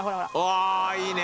ああいいね！